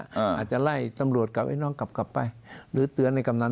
อาจจะไล่ตำรวจกับไอ้น้องกลับกลับไปหรือเตือนในกำนัน